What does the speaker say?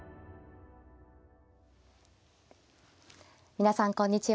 皆さんこんにちは。